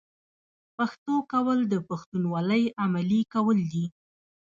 پښتو کول د پښتونولۍ عملي کول دي.